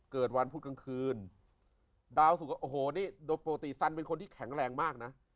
เกิดวันพุธกลางคืนดาวสุกโอ้โหนี่โดยปกติซันเป็นคนที่แข็งแรงมากนะ